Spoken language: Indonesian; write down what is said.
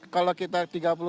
kalau kita tiga puluh